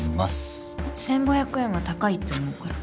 １５００円は高いって思うから？